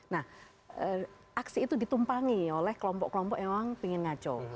nah aksi itu ditumpangi oleh kelompok kelompok yang memang ingin ngaco